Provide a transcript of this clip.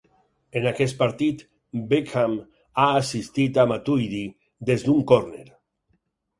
En aquest partit, Beckham ha assistit a Matuidi des d'un córner.